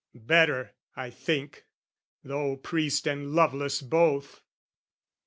Better, I think, though priest and loveless both!